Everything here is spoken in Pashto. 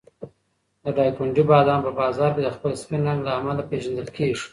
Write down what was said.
د دایکنډي بادام په بازار کې د خپل سپین رنګ له امله پېژندل کېږي.